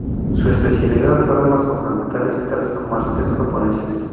Su especialidad fueron las ornamentales, tales como arces japoneses.